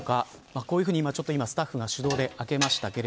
こういうふうに、今スタッフが手動で開きました。